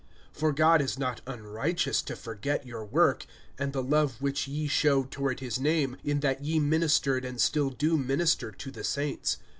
(10)For God is not unrighteous to forget your work, and the love which ye showed toward his name, in that ye ministered and still do minister to the saints.